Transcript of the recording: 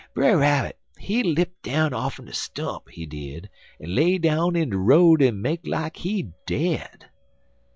Brer Rabbit, he lipt down off'n de stump, he did, en lay down in de road en make like he dead.